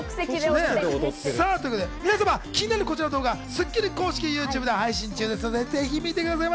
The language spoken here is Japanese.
皆様、気になるこちらの動画は『スッキリ』公式ＹｏｕＴｕｂｅで配信中なので、ぜひ見てみてください。